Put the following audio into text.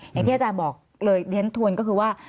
อย่างที่อาจารย์บอกเลยเรียนทวนก็คือว่า